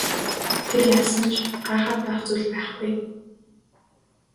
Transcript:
Тэр ялсан ч гайхаад байх зүйл байхгүй.